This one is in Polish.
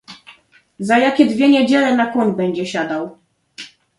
"Za jakie dwie niedziele na koń będzie siadał."